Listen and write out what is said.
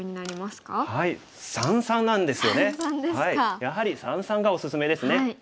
やはり三々がおすすめですね。